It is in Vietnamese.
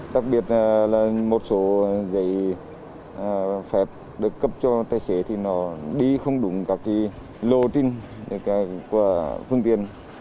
đặc biệt là một số giấy phép được cấp cho tài xế thì nó đi không đúng các lô trình của phương tiện